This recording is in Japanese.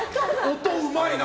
音、うまいな。